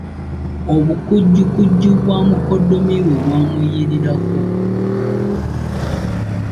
Obukujjukujju bwa mukoddomi we bwamuyirirako.